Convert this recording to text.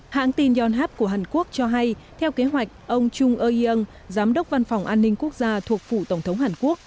hãng tin yonhap của hàn quốc cho hay theo kế hoạch ông chung eung giám đốc văn phòng an ninh quốc gia thuộc phủ tổng thống hàn quốc